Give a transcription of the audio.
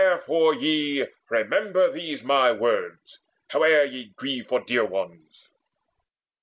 Therefore ye Remember these my words, howe'er ye grieve For dear ones.